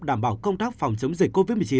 đảm bảo công tác phòng chống dịch covid một mươi chín